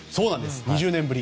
２０年ぶり。